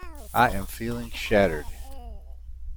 I am feeling shattered.